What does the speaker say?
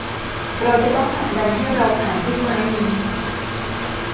เราจะต้องผลักดันให้เราผ่านพุ่มไม้นี้